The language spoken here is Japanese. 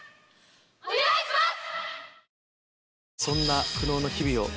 お願いします！